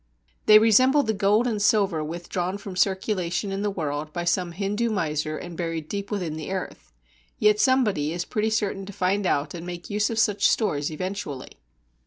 They resemble the gold and silver withdrawn from circulation in the world by some Hindoo miser and buried deep within the earth. Yet somebody is pretty certain to find out and make use of such stores eventually.